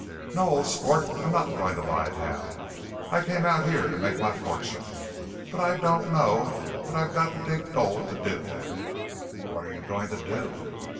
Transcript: "No, old sport, I'm not going to lie down. I came out here to make my fortune; but I don't know that I've got to dig gold to do that." "What are you going to do?"